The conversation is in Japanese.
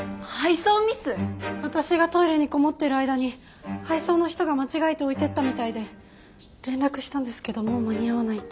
私がトイレにこもってる間に配送の人が間違えて置いてったみたいで連絡したんですけどもう間に合わないって。